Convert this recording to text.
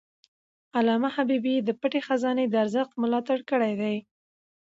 علامه حبيبي د پټه خزانه د ارزښت ملاتړ کړی دی.